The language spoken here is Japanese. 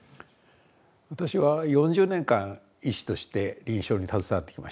私は４０年間医師として臨床に携わってきました。